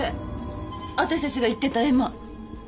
わたしたちが言ってた絵馬。